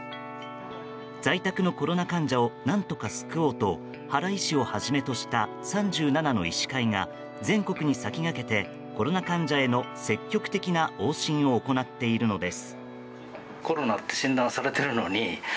在宅のコロナ患者を何とか救おうと原医師をはじめとした３７の医師会が全国に先駆けてコロナ患者への積極的な往診を行っているのです。